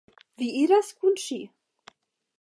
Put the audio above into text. Vi iras kun ŝi.